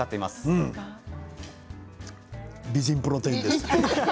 うん美人プロテインです。